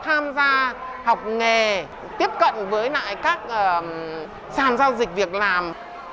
tham gia học nghề tiếp cận với lại các sàn giao dịch việc làm